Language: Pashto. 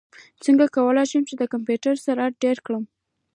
څنګه کولی شم د کمپیوټر سرعت ډېر کړم